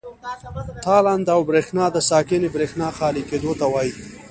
تالنده او برېښنا د ساکنې برېښنا خالي کېدو ته وایي.